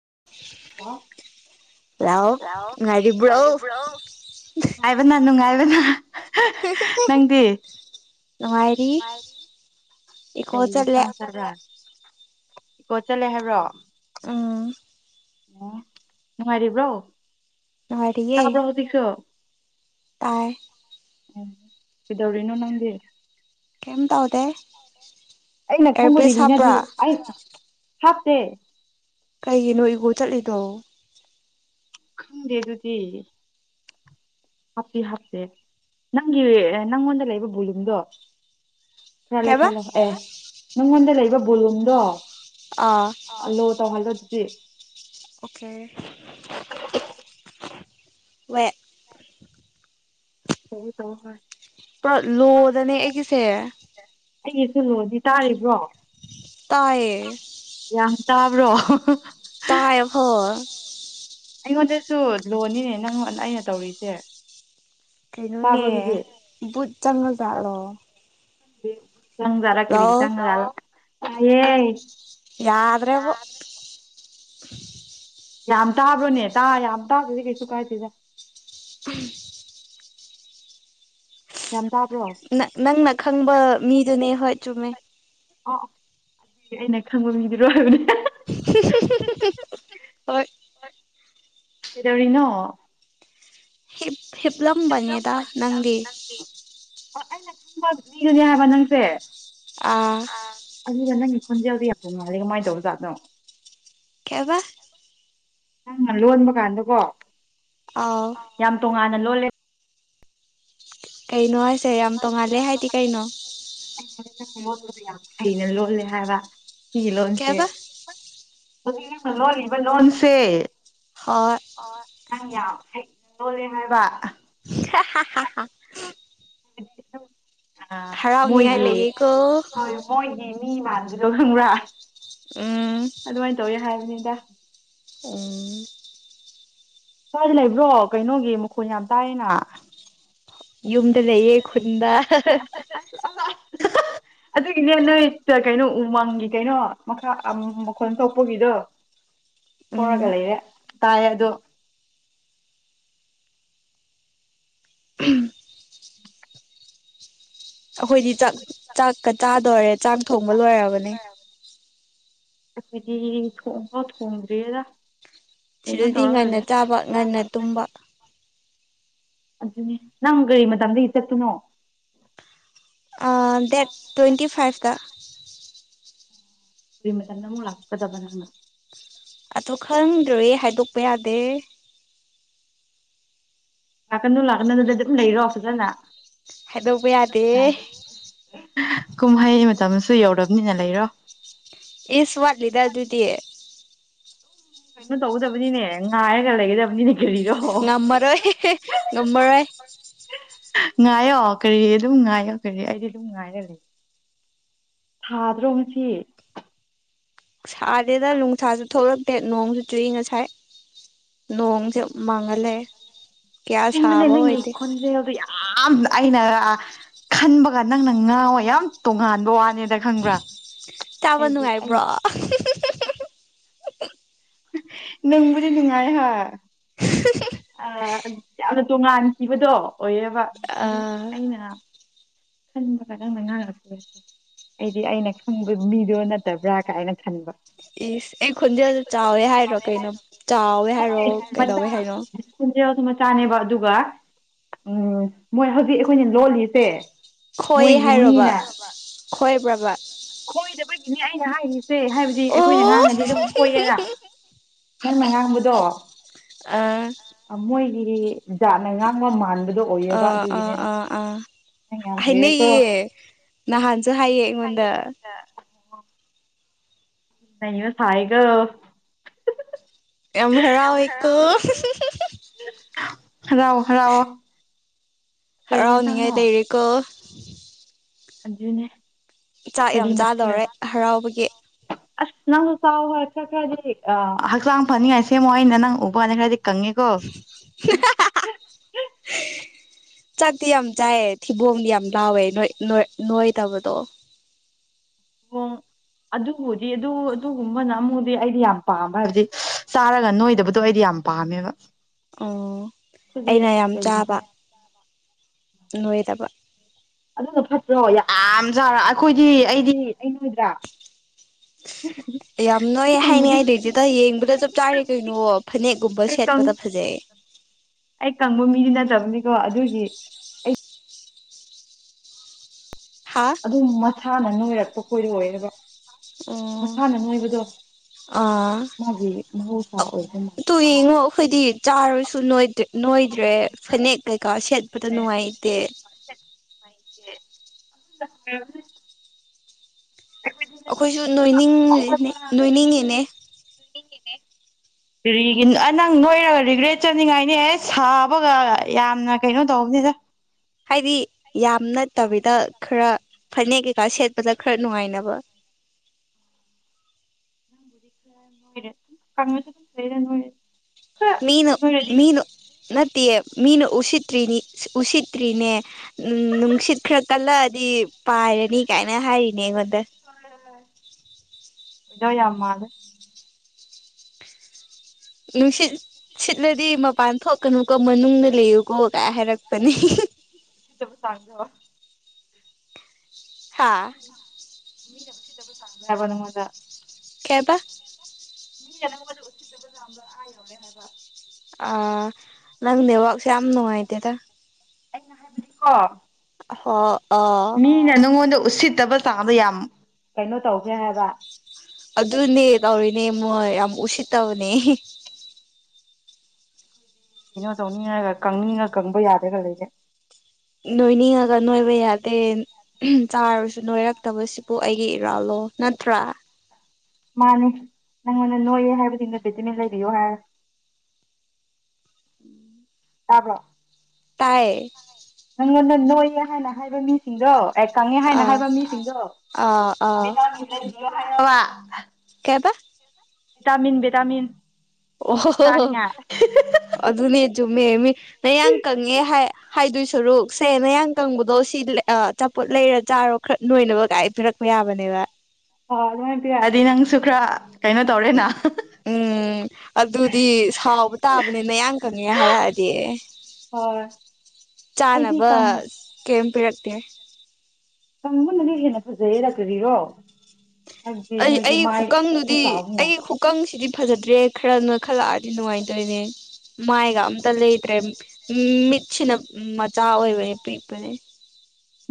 [inaudible] hello ꯅꯨꯡꯉꯥꯏꯔꯤꯕ꯭ꯔꯣ ꯅꯨꯡꯉꯥꯏꯕꯅ ꯅꯨꯡꯉꯥꯏꯕꯅ ꯅꯪꯗꯤ ꯅꯨꯡꯉꯥꯏꯔꯤ ꯏꯀꯣ ꯆꯠꯂꯦ ꯀꯠꯂ ꯀꯣꯠ ꯆꯠꯂꯦ ꯍꯥꯏꯕ꯭ꯔꯣ ꯑꯥ ꯑꯣ ꯅꯨꯡꯉꯥꯏꯔꯤꯕꯔꯤꯕ꯭ꯔꯣ ꯇꯥꯕ꯭ꯔꯣ ꯅꯨꯡꯉꯥꯏꯔꯤꯌꯦ ꯍꯧꯖꯤꯁꯨ ꯇꯥꯏ ꯎꯝ ꯏꯗꯧꯔꯤꯅꯣ ꯅꯪꯗꯤ ꯀꯝ ꯇꯎꯗꯦ ꯑꯩꯅ ꯈꯪꯕꯗꯤꯅꯤꯅ ꯑꯗꯨ ꯑꯩ ꯍꯥꯞꯇꯦ ꯀꯩꯒꯤꯅꯣ ꯏꯒꯣ ꯆꯠꯂꯤꯗꯣ ꯈꯪꯗꯦ ꯑꯗꯨꯗꯤ ꯍꯥꯞꯄꯤ ꯍꯥꯞꯄꯤ ꯅꯪꯒꯤ ꯅꯪꯉꯣꯟꯗ ꯂꯩꯕ ꯕꯣꯂꯨꯝꯗꯣ ꯈꯔꯥ ꯀꯩꯕ ꯂꯩꯈꯜꯂꯣ ꯑꯦ ꯅꯪꯉꯣꯟꯗ ꯂꯩꯕ ꯕꯣꯂꯨꯝꯗꯣ ꯑꯥ ꯂꯣ ꯇꯧꯍꯜꯂꯣ ꯑꯗꯨꯗꯤ ꯑꯣꯀꯦ ꯋꯦꯇ ꯍ ꯍꯣ ꯍꯣꯏ ꯄꯨ ꯂꯣꯗꯅꯤ ꯑꯦ ꯀꯁꯦ ꯑꯩꯒꯤ ꯁ ꯅꯣꯗꯤ ꯇꯥꯔꯤꯕ꯭ꯔꯣ ꯇꯥꯏꯌꯦ ꯌꯥꯝ ꯇꯥꯕ꯭ꯔꯣ ꯇꯥꯏꯍ ꯑꯩꯉꯣꯟꯗꯁꯨ ꯂꯣꯟꯅꯤꯅꯦ ꯅꯪꯉꯣꯟ ꯑꯩꯅ ꯇꯧꯔꯤꯁꯦ ꯀꯩꯅꯣꯅꯦ ꯇꯥꯕ꯭ꯔꯣ ꯑꯗꯨꯗꯤ ꯨꯠ ꯆꯜ ꯆꯠꯂꯣ ꯆꯪꯖꯂ ꯀꯔꯤ ꯆꯪ ꯌꯥꯗ꯭ꯔꯦꯕ ꯌꯥꯝ ꯇꯥꯕ꯭ꯔꯣꯅꯦ ꯇꯥ ꯌꯥꯝ ꯇꯥꯗꯗꯤ ꯀꯩꯁꯨ ꯀꯥꯏꯗꯦꯗ ꯌꯥꯝ ꯇꯥꯕ꯭ꯔꯣ ꯅꯪꯅ ꯈꯪꯕ ꯃꯤꯗꯨꯅꯦ ꯍꯣꯏ ꯆꯨꯝꯃꯦ ꯑꯣ ꯑꯗꯨꯒꯤ ꯑꯩꯅ ꯈꯪꯕ ꯃꯤꯗꯤꯔꯣꯏꯕꯅꯦ [inaudible] ꯑꯦꯗꯧꯔꯤꯅꯣ ꯍꯤꯞ ꯍꯤꯞꯂꯝꯕꯅꯦꯗ ꯅꯪꯒꯤ ꯑꯩꯅ ꯈꯪꯕ ꯃꯤꯗꯨꯅꯦ ꯍꯥꯏꯕ ꯅꯪꯁꯦ ꯑꯥ ꯑꯗꯨꯅꯤꯗ ꯅꯪ ꯈꯨꯟꯖꯦꯜꯗ ꯌꯥꯝꯄ ꯉꯥꯜꯂꯤꯦ ꯀꯃꯥꯏꯅ ꯇꯧꯖꯥꯠꯅꯣ ꯀꯦꯕ ꯅꯪꯅ ꯂꯣꯟꯕ ꯀꯥꯟꯗꯀꯣ ꯑꯥꯎ ꯌꯥꯝ ꯇꯣꯉꯥꯟꯅ ꯂꯣꯜꯂꯦ ꯀꯩꯅꯣ ꯍꯥꯏꯁꯦ ꯌꯥꯝ ꯇꯣꯡꯉꯥꯜꯂꯦ ꯍꯥꯏꯗꯤ ꯀꯩꯅꯣ ꯣ ꯌꯥꯝ ꯍꯩꯅ ꯂꯣꯜꯂꯦ ꯍꯥꯏꯕ ꯁꯤꯒꯤ ꯂꯣꯟꯁꯦ ꯀꯩꯕ ꯍꯧꯖꯤꯛꯅ ꯂꯣꯜꯂꯤꯕ ꯂꯣꯟꯁꯦ ꯍꯣꯏ ꯅꯪ ꯌꯥꯝ ꯍ ꯂꯣꯜꯂꯦ ꯍꯥꯏꯕ ꯍ ꯍ ꯑ ꯃꯣꯏꯒꯤ ꯂꯩꯌꯦꯀꯣ ꯃꯣꯏꯒꯤ ꯃꯤ ꯃꯥꯟꯕꯗꯣ ꯈꯪꯕ꯭ꯔꯥ ꯎꯝ ꯑꯗꯨꯃꯥꯏꯅ ꯇꯧꯋꯤ ꯍꯥꯏꯕꯅꯤꯗ ꯑꯣ ꯁꯋꯥꯏꯗꯤ ꯂꯩꯕ꯭ꯔꯣ ꯀꯩꯅꯣꯒꯤ ꯃꯈꯣꯜ ꯌꯥꯝ ꯇꯥꯏꯅ ꯌꯨꯝꯗ ꯂꯩꯌꯦ ꯈꯨꯟꯗ ꯑꯗꯨꯒꯤꯅꯦ ꯅꯣꯏ ꯀꯩꯅꯣ ꯎꯃꯪꯒꯤ ꯀꯩꯅꯣ ꯃꯈꯥ ꯃꯈꯣꯟꯜ ꯊꯣꯛꯄꯒꯤꯗꯣ ꯎꯝ ꯍꯣꯔꯒ ꯂꯩꯔꯦ ꯇꯥꯏꯌꯦ ꯑꯗꯣ [unintelligible] ꯑꯩꯈꯣꯏꯗꯤ ꯆꯥꯛ ꯆꯥꯛꯀ ꯆꯥꯗꯣꯏꯔꯦ ꯆꯥꯛ ꯊꯣꯡꯕ ꯂꯣꯏꯔꯕꯅꯦ ꯗꯤ ꯊꯣꯡꯥꯎ ꯊꯣꯡꯗ꯭ꯔꯔꯤ ꯁꯤꯗꯗꯤ ꯉꯟꯅ ꯆꯥꯕ ꯉꯟꯅ ꯇꯨꯝꯕ ꯑꯗꯨ ꯅꯪ ꯀꯔꯤ ꯃꯇꯝꯗꯒꯤ ꯆꯄꯅꯣ ꯗꯦꯠ ꯇ꯭ꯋꯦꯟꯇꯤ ꯐꯥꯏꯚꯇ ꯀꯃ ꯇꯗꯃꯣ ꯑꯄꯗꯕꯅꯉ ꯑ ꯈꯪꯗ꯭ꯔꯦ ꯍꯥꯏꯗꯣꯛꯄ ꯌꯥꯗꯦ ꯂꯥꯛꯀꯅꯨ ꯂꯥꯛꯅ ꯑꯗꯨꯗ ꯑꯗꯨꯝ ꯂꯩꯔꯣꯐꯖꯅ ꯍꯥꯏꯗꯧꯕ ꯌꯥꯗꯦ ꯀꯨꯝꯍꯩ ꯃꯇꯝꯁꯨ ꯌꯧꯔꯕꯅꯤꯅ ꯂꯩꯔꯣ ꯏꯁ ꯋꯥꯠꯂ ꯑꯗꯨꯗꯤ ꯀꯩꯅꯣ ꯇꯧꯒꯗꯕꯅꯤꯅꯦ ꯉꯥꯏꯔꯒ ꯂꯩꯒꯗꯕꯅꯤꯅꯦ ꯀꯔꯤꯔꯣ ꯉꯃꯔꯣꯏ ꯉꯃꯔꯣꯏ ꯉꯥꯏꯌꯣ ꯀꯔꯤ ꯑꯗꯨꯝ ꯉꯥꯏꯌꯣ ꯀꯔꯤ ꯑꯩꯗꯤ ꯑꯗꯨꯝ ꯉꯥꯏꯔ ꯂꯩ ꯊꯥꯗ꯭ꯔꯣ ꯉꯁꯤ ꯁꯥꯗꯦꯗ ꯅꯨꯡꯁꯥꯁꯨ ꯊꯣꯛꯂꯛꯇꯦ ꯅꯣꯡꯁꯨ ꯆꯨꯏ ꯉꯁꯥꯏ ꯅꯣꯡꯁꯦ ꯃꯪꯉ ꯂꯩꯔꯦ ꯊꯦꯡꯕꯅꯦ ꯅꯪꯒꯤ ꯈꯣꯟꯖꯦꯜꯗꯣ ꯌꯥꯝꯅ ꯑꯩꯅ ꯈꯟꯕꯒ ꯅꯪꯅ ꯉꯥꯎ ꯌꯥꯝ ꯇꯣꯉꯥꯟꯕ ꯋꯥꯅꯤ [unintelligible] ꯈꯪꯕ꯭ꯔꯥ ꯆꯥꯕ ꯍꯥꯏꯗꯤ ꯑꯩ ꯅꯨꯡꯉꯥꯏꯕ꯭ꯔꯣ ꯅꯨꯡꯕꯨꯗꯤ ꯅꯨꯡꯉꯥꯏꯍꯥ ꯌꯥꯝꯅ ꯇꯣꯉꯥꯟꯈꯤꯕꯗꯣ ꯑꯣꯏꯌꯦꯕ ꯑ ꯑꯗꯨ ꯑꯩꯅ ꯈꯟꯕꯒ ꯅꯪꯅ ꯉꯥꯡꯂꯛꯄꯒ ꯑꯩꯗꯤ ꯑꯩꯅ ꯈꯪꯕ ꯃꯤꯗꯣ ꯅꯠꯇꯕ꯭ꯔꯥ ꯀꯥꯏꯅ ꯈꯟꯕ ꯏꯁ ꯑꯩ ꯈꯣꯟꯖꯦꯜꯁꯦ ꯆꯥꯎꯋꯦ ꯍꯥꯏꯔꯣ ꯀꯩꯅꯣ ꯆꯥꯎꯋꯦ ꯍꯥꯏꯔꯣ ꯀꯩꯗꯧꯋꯦ ꯍꯥꯏꯅꯣ [unintelligible] ꯆꯥꯅꯦꯕ ꯑꯗꯨꯒ ꯃꯣꯏ ꯍꯧꯖꯤꯛ ꯑꯩꯈꯣꯏꯅ ꯂꯣꯜꯂꯤꯁꯦ ꯈꯣꯏ ꯃꯣꯏꯒꯤ ꯍꯥꯏꯔꯣꯕ ꯃꯤꯅ ꯈꯣꯏꯕ꯭ꯔꯕ ꯈꯣꯏꯗꯕꯒꯤꯅꯦ ꯑꯩꯅ ꯍꯥꯏꯔꯤ ꯁꯦ ꯍꯥꯏꯕꯗꯤ ꯑꯩꯈꯣꯏꯅ ꯑꯣ ꯉꯥꯡꯉꯗꯤ ꯑꯗꯨꯝ ꯈꯣꯏꯌꯦꯔ ꯅꯪꯅ ꯉꯥꯡꯕꯗꯣ ꯑ ꯑꯥ ꯃꯣꯏꯒꯤ ꯖꯥꯠꯅ ꯉꯥꯡꯕ ꯃꯥꯟꯕ ꯑ ꯑ ꯑꯥ ꯑꯥ ꯅꯪ ꯌꯥꯝ ꯍꯩꯔꯦꯀꯣ ꯍꯥꯏꯅꯩꯌꯦ ꯅꯍꯥꯟ ꯍꯥꯏꯌꯦ ꯑꯩꯉꯣꯟꯗ ꯑ [unintelligible] ꯌꯥꯝ ꯍꯔꯥꯎꯋꯦꯀꯣ ꯍꯔꯥꯎꯑꯣ‌ ꯍꯔꯥꯎꯑꯣ ꯍꯔꯥꯎꯅꯤꯡꯉꯥꯏ ꯂꯩꯔꯦꯀꯣ ꯑꯗꯨꯅꯦ ꯆꯥꯛ ꯌꯥꯝ ꯀꯔꯤ ꯃꯊꯦꯜ ꯆꯥꯗꯧꯔꯦ ꯍꯔꯥꯎꯕꯒꯤ ꯑꯁ ꯅꯪꯁꯨ ꯆꯥꯎ ꯍꯥꯏꯕ ꯈꯔ ꯈꯔꯗꯤ ꯍꯛꯆꯥꯡ ꯐꯅꯤꯡꯉꯥꯏ ꯁꯦꯝꯃꯣ ꯑꯩꯅ ꯅꯪ ꯎ [unintelligible] ꯀꯪꯉꯦꯀꯣ ꯆꯥꯛꯇꯤ ꯌꯥꯝ ꯆꯥꯏꯌꯦ ꯊꯤꯕꯣꯡꯗꯤ ꯌꯥꯝ ꯂꯥꯎꯋꯦ ꯅꯣꯏ ꯅꯣꯏ ꯅꯣꯏꯇꯥꯕꯗꯣ ꯃꯑꯣꯡ [inaudible] ꯑꯗꯨꯕꯨꯗꯤ ꯑꯗꯨ ꯑꯗꯨꯒꯨꯝꯕꯅ ꯑꯃꯨꯕꯨꯗꯤ ꯑꯩꯗꯤ ꯌꯥꯝ ꯄꯥꯝꯕ ꯍꯥꯏꯕꯗꯤ ꯆꯥꯔꯒ ꯅꯣꯏꯗꯕꯗꯣ ꯑꯩꯗꯤ ꯌꯥꯝ ꯄꯥꯝꯃꯦꯕ ꯑꯣ ꯑꯩꯈꯣꯏꯗꯤ ꯑꯩꯅ ꯌꯥꯝ ꯆꯥꯕ ꯀꯩꯅꯣ ꯅꯣꯏꯗꯕ ꯑꯗꯨꯅ ꯐꯠꯇ꯭ꯔꯣ ꯌꯥꯝ ꯆꯥꯔ ꯑꯩꯈꯣꯏꯗꯤ ꯑꯩꯗꯤ ꯑꯩ ꯅꯣꯏꯗ꯭ꯔꯥ [inaudible] ꯌꯥꯝ ꯁꯤ ꯅꯣꯏꯌꯦ ꯀꯪꯕꯗꯤ ꯍꯥꯏꯅꯤꯡꯉꯥꯏ ꯂꯩꯇꯦꯗꯥ ꯑꯩ ꯌꯦꯡꯕꯗ ꯆꯞ ꯆꯥꯔꯦ ꯀꯩꯅꯣ ꯐꯅꯦꯛꯀꯨꯝꯕ ꯀꯪ ꯁꯦꯠꯄꯗ ꯐꯖꯩꯌꯦ [inaudible] ꯑꯩ ꯀꯪꯕ ꯃꯤꯗꯤ ꯅꯠꯇꯕꯅꯤꯀꯣ [unintelligible] ꯍꯥ ꯑꯗꯨꯝ ꯃꯁꯥꯅ ꯅꯣꯏꯔꯛꯄ ꯈꯣꯏꯗ [unintelligible] ꯃꯁꯥꯅ ꯅꯣꯏꯕꯗꯣ ꯑꯥ ꯃꯥꯒꯤ ꯃꯍꯧꯁꯥ ꯑꯣꯏꯕ ꯃꯥꯜꯂꯦ ꯇꯨ ꯌꯦꯡꯉꯣ ꯑꯩꯈꯣꯏꯗꯤ ꯆꯥꯔꯁꯨ ꯅꯣꯏ ꯅꯣꯏꯗ꯭ꯔꯦ ꯐꯅꯦꯛ ꯀꯩꯀꯥ ꯁꯦꯠꯄꯗ ꯅꯨꯡꯉꯥꯏꯇꯦ [inaudible] [unintelligible] ꯑꯩꯈꯣꯏꯁꯨ ꯅꯣꯏꯅꯤꯡꯉ ꯅꯣꯏꯅꯤꯡꯉꯤꯅꯦ [inaudible] ꯀꯔꯤ ꯅꯪ ꯅꯣꯏꯔꯒ ꯔꯤꯒ꯭ꯔꯦꯠ ꯆꯠꯅꯤꯡꯉꯥꯏꯅꯤ ꯑꯦ ꯁꯥꯕꯒ ꯌꯥꯝꯅ ꯀꯩꯅꯣ ꯇꯧꯕꯅꯤꯗ ꯍꯥꯏꯗꯤ ꯌꯥꯝ ꯅꯠꯇꯕꯤꯗ ꯈꯔ ꯐꯅꯦꯛ ꯀꯩꯀꯥ ꯁꯦꯠꯄꯗ ꯈꯔ ꯅꯨꯡꯉꯥꯏꯅꯕ [inaudible] ꯍꯣꯏꯗ ꯀꯪꯉꯁꯨ ꯐꯖꯩꯗ ꯅꯣꯏꯔꯁꯨ ꯃꯤꯅ ꯃꯤꯅ ꯅꯠ ꯇꯦ ꯃꯤꯅ ꯎꯁꯤꯠꯇ꯭ꯔꯤꯅꯤ ꯎꯁꯤꯠꯇ꯭ꯔꯤꯅꯦ ꯅꯨꯡꯁꯤꯠ ꯈꯔ ꯀꯜꯂꯛꯑꯗꯤ ꯄꯥꯏꯔꯦꯅꯤ ꯀꯥꯏꯅ ꯍꯥꯏꯔꯤꯅꯦ ꯑꯩꯉꯣꯟꯗ ꯏꯗꯣ ꯌꯥ ꯃꯥꯗ ꯅꯨꯡꯁꯤꯠ ꯁꯤꯠꯂꯗꯤ ꯃꯄꯥꯟ ꯊꯣꯛꯀꯅꯨꯀꯣ ꯃꯅꯨꯡꯗꯅ ꯂꯩꯌꯨ ꯁꯤꯇꯕꯨ ꯁꯥꯡꯖ ꯍꯥ [unintelligible] ꯀꯦꯕ ꯃꯤꯅ ꯅꯪꯕꯗ ꯎꯠꯁꯤꯠꯇꯕꯖꯥ ꯑꯃꯗ ꯑꯥ ꯌꯧꯔꯦ ꯍꯥꯏꯕ ꯑ ꯅꯪ ꯅꯦꯋꯥꯛꯁꯦ ꯌꯥꯝ ꯅꯅꯨꯡꯉꯥꯏꯗꯦꯗ ꯑꯩꯅ ꯍꯥꯏꯕꯅꯤꯀꯣ ꯑ‌ꯣ ꯑ‌ꯣ ꯅꯪꯉꯣꯟꯗ ꯎꯁꯤꯠꯇꯕ ꯆꯥꯡꯗꯣ ꯌꯥꯝ ꯀꯩꯅꯣ ꯇꯧꯒ꯭ꯔꯦ ꯍꯥꯏꯕ ꯑꯗꯨꯅꯦ ꯇꯧꯔꯤꯅꯦ ꯃꯣꯏ ꯌꯥꯝ ꯎꯁꯤꯠꯇꯕꯅꯦ ꯀꯩꯅꯣ ꯇꯧꯅꯤꯡꯉꯒ ꯀꯪꯅꯤꯡꯉ ꯀꯪꯕ ꯌꯥꯗꯒ ꯂꯩꯔꯦ ꯅꯣꯏꯅꯤꯡꯉꯒ ꯅꯣꯏꯕ ꯌꯥꯗꯦ ꯆꯥꯔꯁꯨ ꯅꯣꯏꯔꯛꯇꯕꯁꯤꯕꯨ ꯑꯩꯒꯤ ꯏꯔꯥꯜ ꯂꯣ ꯅꯠꯇ꯭ꯔ ꯃꯥꯅꯦ ꯅꯪꯉꯣꯟꯗ ꯅꯣꯏꯌꯦꯦ ꯍꯥꯏꯕꯗꯤꯅ ꯚꯤꯇꯃꯤꯟ ꯂꯩꯕꯤꯌꯣ ꯍꯥꯏꯔ ꯎꯝ ꯁꯥꯕ꯭ꯔꯣ ꯇꯥꯏꯌꯦ ꯅꯣꯏꯌꯦ ꯍꯥꯏꯅ ꯍꯥꯏꯕ ꯃꯤꯁꯤꯡꯗꯣ ꯑꯩ ꯀꯪꯉꯦ ꯍꯥꯏꯅ ꯑꯥ ꯍꯥꯏꯕ ꯃꯤꯁꯤꯡꯗꯣꯚ ꯑꯥ ꯑꯥ [unintelligible] ꯚꯇꯥꯃꯤꯟ ꯚꯇꯥꯃꯤꯟ ꯑꯣ ꯑꯗꯨꯅꯦ ꯆꯨꯝ ꯃꯦꯝꯃꯤ ꯅ ꯌꯥꯝꯡ ꯀꯪꯉꯦ ꯍꯥꯏ ꯍꯥꯏꯗꯣꯏ ꯁꯔꯨꯛ ꯁꯦ ꯅꯌꯥꯡ ꯀꯪꯕꯗꯣ ꯁꯤ ꯆꯆꯥꯄꯣꯠ ꯂꯩꯔ ꯆꯥꯔꯣ ꯈꯔ ꯅꯣꯏꯅꯕ ꯀꯥꯏ ꯄꯤꯔꯛꯄ ꯌꯥꯏ ꯌꯥꯕꯅꯦꯕ ꯑꯣ ꯑꯗꯨꯃꯥꯏꯅ ꯄꯤꯔꯛꯑꯗꯤ ꯅꯪꯁꯨ ꯈꯔ ꯀꯩꯅꯣ ꯇꯧꯔꯦꯅ ꯎꯝ ꯑꯗꯨꯗꯤ ꯁꯥꯎꯕ ꯇꯥꯕꯅꯤ ꯃꯌꯥꯝ ꯀꯪꯉꯦ ꯍꯥꯏꯔꯛꯑꯗꯤ ꯍꯣꯏ ꯑꯩꯗꯤ ꯆꯥꯅꯕ ꯀꯪ ꯀꯔꯤꯝ ꯄꯤꯔꯛꯇꯦ ꯁꯪꯕꯨꯅꯅꯦ ꯍꯦꯟꯅ ꯐꯖꯩꯌꯦ ꯂꯥꯛꯀꯔꯤꯔꯣ ꯑꯩ ꯑꯩꯒꯤ ꯈꯨꯀꯪꯗꯨꯗꯤ ꯑꯩ ꯈꯨꯀꯪꯁꯤꯗꯤ ꯐꯖꯗ꯭ꯔꯦ ꯈꯔꯅ ꯈꯜꯂꯛꯑꯗꯤ ꯅꯨꯡꯉꯥꯏꯇꯣꯏꯅꯦ ꯃꯥꯏꯒ ꯑꯝꯇ ꯂꯩꯇ꯭ꯔꯦ ꯃꯤꯠꯁꯤꯅ ꯃꯆꯥ ꯑꯣꯏꯕꯅꯦ ꯄꯤꯛꯄꯅꯦ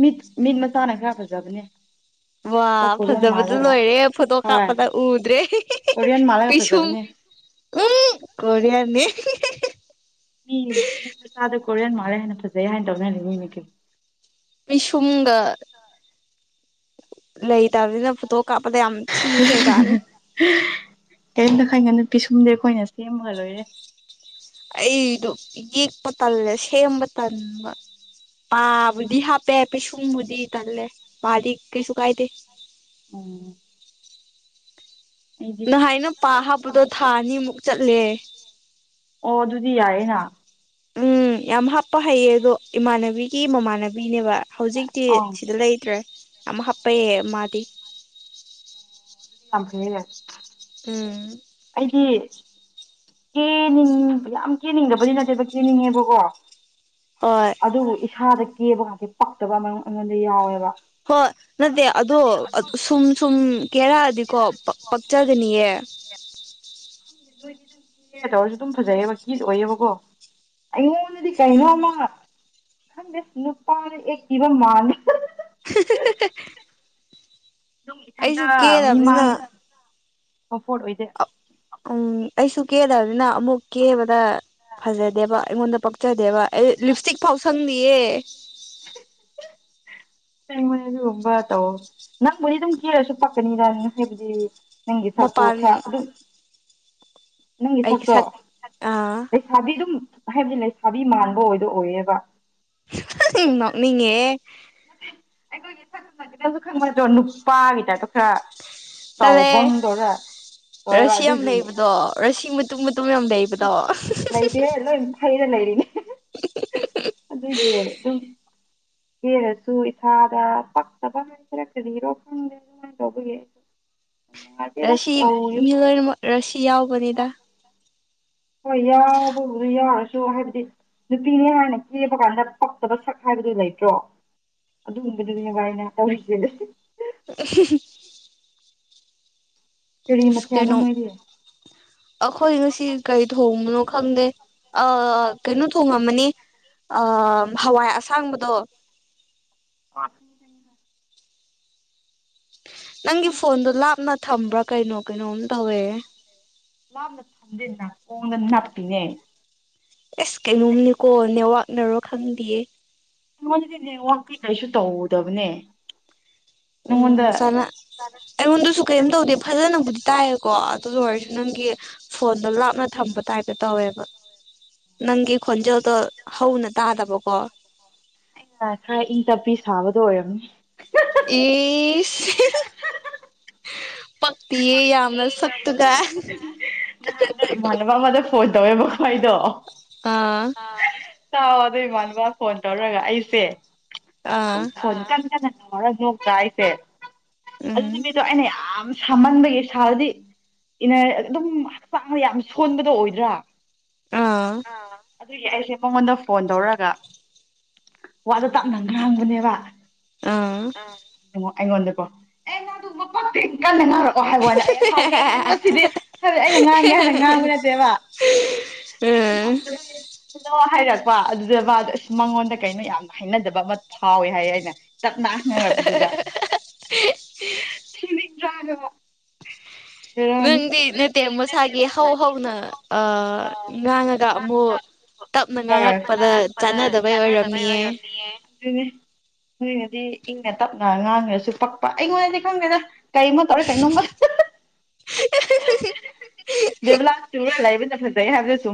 ꯃꯤꯠ ꯃꯤꯠ ꯃꯆꯥꯅ ꯈꯔ ꯐꯖꯕꯅꯦ ꯋꯥ ꯈꯔ ꯀꯣꯔꯤꯌꯥꯟ ꯐꯖꯕꯗ ꯃꯥꯜꯂꯒ ꯂꯣꯏꯔꯦ ꯐꯣꯇꯣ ꯍꯣꯏ ꯀꯥꯞꯄꯗ ꯎꯗ꯭ꯔꯦ ꯀꯣꯔꯤꯌꯟ ꯃꯥꯜꯂꯒ ꯄꯤꯁꯨꯡ ꯐꯖꯕꯅꯦ ꯎꯝ ꯀ‌ꯣꯔꯤꯌꯥꯟꯅꯤ ꯍꯦ ꯍꯅꯖ ꯍꯥꯏꯅ ꯇꯧꯅꯦ ꯃꯤ ꯄꯤꯁꯨꯝꯗꯥ ꯊꯤꯈ꯭ꯔꯖꯥꯠꯅꯤ ꯀꯩꯃꯇꯥ ꯈꯥꯟꯒꯅ‌ꯣ ꯄꯤꯁꯨꯝꯗꯤ ꯑꯩꯈꯣꯏꯅ ꯁꯦꯝꯃꯒꯥ ꯂꯣꯏꯔꯦ ꯑꯩꯗꯣ ꯌꯦꯛꯄ ꯇꯜꯂꯦ ꯁꯦꯝꯕ ꯇꯟꯕ ꯄꯥꯕꯨꯗꯤ ꯍꯥꯞ ꯄꯦ ꯄꯦ ꯁꯨꯡꯃꯗꯤ ꯇꯜꯂꯦ ꯋꯥꯔꯤꯗꯤ ꯀꯩꯁꯨ ꯀꯥꯏꯗ ꯎꯝ ꯑꯩꯗꯤ ꯅꯍꯥꯏꯅ ꯄꯥ ꯍꯥꯞꯄꯗꯣ ꯊꯥ ꯑꯅꯤꯃꯨꯛ ꯆꯠꯂꯦ ꯑꯣ ꯑꯗꯨꯗꯤ ꯌꯥꯏꯌꯦꯅ ꯎꯝ ꯌꯥꯝ ꯍꯥꯞꯄ ꯍꯩꯌꯦ ꯑꯗꯣ ꯏꯃꯥꯟꯅꯕꯤꯒꯤ ꯃꯃꯥꯟꯅꯕꯤꯅꯦꯕꯥ ꯍꯧꯖꯤꯛꯇꯤ ꯑꯥ ꯁꯤꯗ ꯂꯩꯇ꯭ꯔꯦ ꯌꯥꯝ ꯍꯥꯞꯄꯩꯑ ꯃꯥꯗꯤ ꯑꯣ ꯌꯥꯝ ꯐꯦ ꯑꯝ ꯑꯩꯗꯤ ꯀꯦꯅꯤꯡ ꯌꯥꯝ ꯀꯦꯅꯤꯡꯗꯕꯗꯤ ꯅꯠꯇꯦꯕ ꯀꯦꯅꯤꯡꯉꯦꯕꯀꯣ ꯍꯣꯏ ꯑꯗꯨꯕꯨ ꯏꯁꯥꯗ ꯀꯦꯕꯥ ꯀꯥꯟꯁꯤ ꯄꯛꯇꯕ ꯑꯩꯉꯣꯟꯗ ꯌꯥꯎꯋꯦꯕ ꯍꯣꯏ ꯅꯠꯇꯦ ꯑꯗꯣ ꯁꯨꯝ ꯁꯨꯝ ꯀꯦꯔꯛꯑꯗꯤꯀꯣ ꯄꯛꯆꯒꯅꯤꯌꯦ [unintelligible] ꯇꯧꯔꯁꯨ ꯑꯗꯨꯝ ꯐꯖꯩꯑꯕ ꯀꯤꯗ ꯑꯣꯏꯌꯦꯕꯀꯣ ꯑꯩꯉꯣꯟꯗꯗꯤ ꯀꯩꯅꯣ ꯑꯃ ꯁ ꯅꯨꯄꯥꯔ ꯑꯦ ꯏꯖꯤꯕꯟ ꯃꯥꯅ [unintelligible] ꯑꯗꯨꯝ ꯏꯊꯟꯇ ꯑꯩꯁꯨ ꯃꯤ ꯀꯦꯔꯕꯅꯤꯅ ꯃꯥꯡ ꯑꯣꯐꯣꯔ ꯑꯣꯏꯗꯦ ꯎꯝ ꯑꯩꯁꯨ ꯀꯦꯗꯕꯅꯤꯅ ꯑꯃꯨꯛ ꯀꯦꯕꯗ ꯐꯖꯗꯦꯕ ꯑꯩꯉꯣꯟꯗ ꯄꯛꯆꯗꯦꯕ ꯑꯩ ꯂꯤꯞ ꯏꯁꯇꯤꯛ ꯐꯥꯎ ꯁꯪꯅꯤꯌꯦ ꯉꯣꯏ ꯑꯗꯨꯒꯨꯝꯕ ꯇꯧ ꯅꯪꯕꯨꯗꯤ ꯑꯗꯨꯝ ꯀꯤꯔꯁꯨ ꯄꯛꯀꯅꯤꯗ ꯍꯥꯏꯕꯗꯤ ꯅꯪꯒꯤ ꯁꯛꯇꯣ ꯃꯄꯥꯟ ꯈꯔ ꯑꯗꯨꯝ ꯅꯪꯒꯤ ꯑꯩꯒꯤ ꯁꯛꯇꯣ ꯁꯛ ꯑꯥ ꯂꯩꯁꯥꯕꯤ ꯑꯗꯨꯝ ꯍꯥꯏꯕꯗꯤ ꯂꯩꯁꯥꯕꯤ ꯃꯥꯟꯕ ꯑꯣꯏꯗꯣ ꯑꯣꯏꯌꯦꯕ ꯅꯤꯉ ꯈꯪꯅꯁꯨ ꯈꯪꯕꯁꯨ꯭ꯔꯣ ꯅꯨꯄꯥꯒꯤꯗꯣ ꯈꯔ ꯆꯠꯂꯦ ꯆꯥꯎꯕꯪꯗꯧꯔ ꯇꯧꯔꯦꯕ ꯑꯗꯨꯒꯤ ꯏ ꯃꯇꯨꯝ ꯃꯇꯨꯝ ꯌꯥꯝ ꯂꯩꯕꯗꯣ ꯍꯩꯔ ꯂꯩꯔꯤꯅꯤ [unintelligible] ꯑꯗꯨꯗ ꯍꯦꯒꯦ ꯍꯔꯁꯨ ꯏꯁꯥꯗ ꯄꯛꯇꯕ ꯍꯥꯏꯖꯔꯛ ꯀꯔꯤꯔꯣ ꯈꯪꯗꯦ ꯑꯗꯨꯃꯥꯏꯅ ꯇꯧꯕꯒꯤ [unintelligible] ꯅꯨꯡꯉꯥꯏꯇꯦꯗ ꯔꯁꯤ ꯇꯧꯔꯤꯕ ꯃꯤꯂꯣꯏꯅꯃꯛ ꯔꯁꯤ ꯌꯥꯎꯕꯅꯤꯗ ꯍꯣꯏ ꯌꯥꯎꯕꯕꯨꯗꯤ ꯌꯥꯎꯔꯁꯨ ꯍꯥꯏꯕꯗꯤ ꯅꯨꯄꯤꯅꯦ ꯍꯥꯏꯅ ꯀꯦꯕ ꯀꯥꯟꯗ ꯄꯛꯇꯕ ꯁꯛ ꯍꯥꯏꯕꯗꯨ ꯂꯩꯇ꯭ꯔꯣ ꯑꯗꯨꯒꯨꯝꯕꯗꯨꯗꯤꯕꯥꯏꯅ ꯇꯧꯔꯤꯒꯦꯗꯤ [unintelligible] ꯀꯔꯤ ꯃꯊꯦꯜꯅꯣ ꯀꯩꯅꯣ ꯅꯣꯏꯗꯤ ꯑꯩꯈꯣꯏ ꯉꯁꯤ ꯀꯔꯤ ꯊꯣꯡꯕꯅꯣ ꯈꯪꯗꯦ ꯑꯥ ꯀꯩꯅꯣ ꯊꯣꯡꯉꯝꯃꯅꯤ ꯑꯥ ꯍꯋꯥꯏ ꯑꯁꯥꯡꯕꯗꯣ ꯍꯥꯏ ꯅꯪꯒꯤ ꯅꯪ ꯐꯣꯟꯗꯣ ꯂꯥꯞꯅ ꯊꯝꯕ꯭ꯔꯥ ꯀꯩꯅꯣ ꯀꯩꯅꯣꯝ ꯇꯧꯋꯦ ꯂꯥꯞꯅ ꯊꯝꯗꯦꯟꯅꯀꯣꯡꯗ ꯅꯞꯄꯤꯅꯦ ꯑꯦꯁ ꯀꯩꯅꯣꯝꯅꯤꯀꯣ ꯅꯦꯋꯥꯛꯅꯔꯣ ꯈꯪꯗꯌꯦ ꯑꯩꯉꯣꯟꯗꯗꯤ ꯅꯦꯠꯋꯥꯛꯇꯤ ꯀꯩꯁꯨ ꯇꯧꯗꯕꯅꯦ ꯅꯪꯉꯣꯟꯗ ꯎꯝꯁꯥꯅ ꯑꯩꯉꯣꯟꯗꯁꯨ ꯀꯔꯤꯝ ꯇꯧꯗꯦ ꯐꯖꯅꯕꯨꯗꯤ ꯇꯥꯏꯌꯦꯀꯣ ꯑꯗꯨ ꯑꯣꯏꯔꯁꯨ ꯅꯪꯒꯤ ꯐꯣꯟꯗ ꯂꯥꯞꯅ ꯊꯝꯕ ꯇꯥꯏꯞꯇ ꯇꯧꯋꯦꯕ ꯅꯪꯒꯤ ꯈꯣꯟꯖꯦꯜꯗꯣ ꯍꯧꯅ ꯇꯥꯗꯕꯀꯣ ꯑꯩꯅ ꯈꯔ ꯏꯪ ꯇꯞꯄꯤ ꯁꯥꯕꯗꯣ ꯑꯣꯏꯔꯝꯅꯤ ꯏꯁ ꯄꯛꯇꯤꯌꯦ ꯆꯞꯄꯦ ꯌꯥꯝꯅ ꯌꯝꯅ ꯁꯛꯇꯨꯒ ꯆꯞꯄꯅ ꯅꯍꯥꯟꯅꯦ ꯏꯃꯥꯅꯕ ꯑꯃꯗ ꯐꯣꯟ ꯇꯧꯋꯦꯕꯀꯣ ꯑꯗꯨꯗꯣ ꯑꯥ ꯇꯥꯛꯑꯣ ꯑꯗꯨ ꯏꯃꯥꯟꯅꯕ ꯐꯣꯟ ꯇꯧꯔꯒ ꯑꯩꯁꯦ ꯑꯥ ꯅꯣꯛꯇ ꯑꯩꯁꯦ ꯎꯝ ꯑꯗꯨꯗꯨ ꯃꯤꯗꯣ ꯑꯩꯅ ꯌꯥꯝ ꯁꯥꯃꯟꯕꯒꯤ ꯁꯥꯔꯗꯤ ꯑꯗꯨꯝ ꯍꯛꯆꯥꯡꯗ ꯌꯥꯝ ꯁꯣꯟꯕꯗꯣ ꯑꯣꯏꯗ꯭ꯔꯥ ꯑꯥ ꯑꯗꯨꯒꯤ ꯑꯩꯁꯦ ꯃꯉꯣꯟꯗ ꯐꯣꯟ ꯇꯧꯔꯒ ꯋꯥꯗ ꯇꯞꯅ ꯈ꯭ꯔ ꯍꯪꯕꯅꯦꯕ ꯑꯥ ꯑꯩꯉꯣꯟꯗꯀꯣ ꯑꯦ ꯅꯪꯗꯤ ꯑꯗꯨꯒꯨꯝꯕ ꯄꯛꯇꯦ ꯀꯟꯅ ꯉꯥꯡꯔꯑꯣ ꯍꯥꯏꯕꯣꯟꯅꯦ ꯑꯩꯁꯥꯎꯦ ꯉꯁꯤꯗꯤ ꯍꯥꯏꯕꯗꯤ ꯑꯩꯅ ꯉꯥꯡꯒꯦ ꯍꯥꯏꯥꯟꯅ ꯉꯥꯡꯕ ꯅꯠꯇꯦꯕ ꯑꯩꯗꯤ ꯎꯝ ꯉꯝꯗ ꯍꯥꯏꯔꯛ ꯄ ꯑꯗꯨꯗꯕ ꯑꯗꯨ ꯑꯁ ꯃꯉꯣꯟꯗ ꯀꯩꯅꯣ ꯌꯥꯝ ꯍꯥꯏꯅꯗꯕ ꯑꯃ ꯐꯥꯎꯋꯦ ꯍꯥꯏ ꯑꯩꯅ ꯇꯞꯅ ꯉꯪꯂꯛꯄꯗꯨꯗ꯭ꯔꯥꯕ [unintelligible] [inaudible] ꯅꯪꯗꯤ ꯅꯠꯇꯦ ꯃꯁꯥꯒꯤ ꯍꯧ ꯍꯧꯅ ꯑ ꯉꯥꯡꯉꯒ ꯑꯃꯨꯛ ꯇꯞꯅ ꯉꯥꯡꯉꯛꯄꯗ ꯆꯥꯟꯅꯗꯕꯩ ꯑꯣꯏꯔꯝꯅꯤꯌꯦ ꯑꯗꯨ ꯅꯣꯏꯅꯗꯤ ꯏꯪꯅ ꯇꯞꯅ ꯉꯥꯡꯉ꯭ꯔꯁꯨ ꯄꯛꯄ ꯑꯩꯉꯣꯟꯗꯗꯤ ꯈꯪꯗꯦꯗ ꯀꯩꯃ ꯀꯩꯅꯣꯝꯃ ꯇꯧꯔꯦ ꯗꯦꯕ ꯂꯥꯁ [unintelligible] ꯇꯨꯔ ꯂꯥꯏꯕꯅ ꯐꯖꯩ ꯍꯥꯏꯕꯗꯨꯁꯨ ꯁ